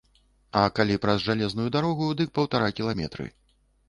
А калі праз жалезную дарогу, дык паўтара кіламетры.